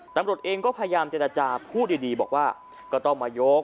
ตำรวจเองก็พยายามเจรจาพูดดีบอกว่าก็ต้องมายก